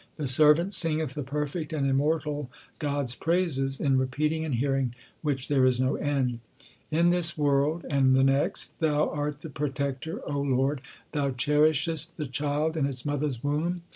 The servant singeth the perfect and immortal God s praises in repeating and hearing which there is no end. In this world and the next Thou art the Protector, Lord ; Thou cherishest the child in its mother s womb.